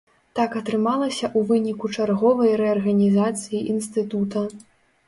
Так атрымалася ў выніку чарговай рэарганізацыі інстытута.